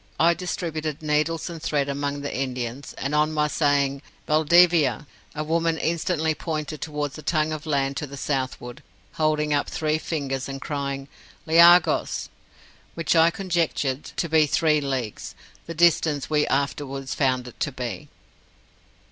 I distributed needles and thread among the Indians, and on my saying 'Valdivia,' a woman instantly pointed towards a tongue of land to the southward, holding up three fingers, and crying 'leaghos'! which I conjectured to be three leagues; the distance we afterwards found it to be.